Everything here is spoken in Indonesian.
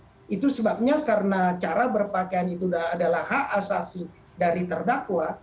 artinya karena cara berpakaian itu adalah hak asasi dari terdakwa